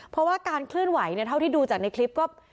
เพราะว่าการเคลื่อนไหวเนี่ยเท่าที่ดูจากในคลิปก็